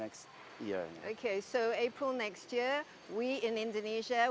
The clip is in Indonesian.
kita di indonesia